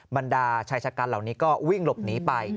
บรรดาชายชะกันเหล่านี้ก็วิ่งหลบหนีไป